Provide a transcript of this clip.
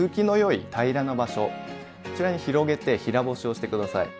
こちらに広げて平干しをして下さい。